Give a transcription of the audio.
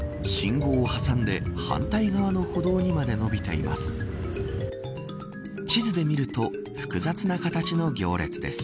信号を挟んで反対側の歩道にまで延びています。